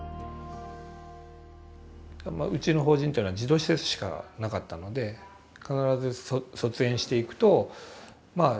うちの法人というのは児童施設しかなかったので必ず卒園していくとまあ社会に出る。